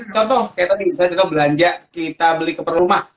contoh kayak tadi misalnya contoh belanja kita beli keperluan